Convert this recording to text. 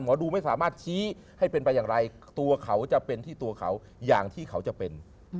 ดูไม่สามารถชี้ให้เป็นไปอย่างไรตัวเขาจะเป็นที่ตัวเขาอย่างที่เขาจะเป็น